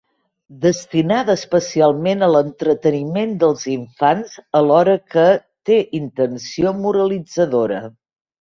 Destinada especialment a l'entreteniment dels infants alhora que té intenció moralitzadora.